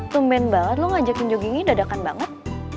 kemen banget lo ngajakin joggingnya dadakan banget